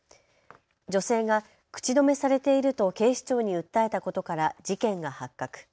女性が口止めされていると警視庁に訴えたことから事件が発覚。